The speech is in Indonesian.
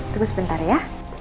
tunggu sebentar ya